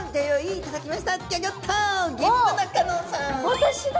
私だ！